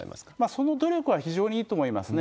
その努力は非常にいいと思いますね。